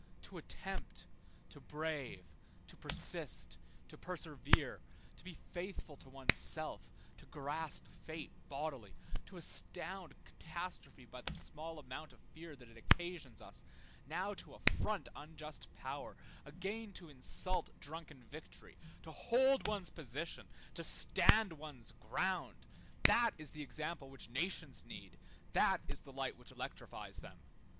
To attempt, to brave, to persist, to persevere, to be faithful to one's self, to grasp fate bodily, to astound catastrophe by the small amount of fear that it occasions us, now to affront unjust power, again to insult drunken victory, to hold one's position, to stand one's ground; that is the example which nations need, that is the light which electrifies them.